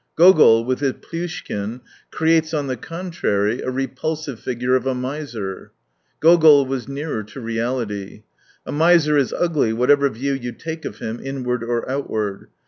Gogol, with his Plyushkin, creates on the contrary a repulsive figure of a miser. Gogol was nearer to reality. A miser is ugly, whatever view you take of him — 'inward or outward.